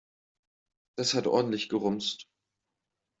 Das hat ordentlich gerumst.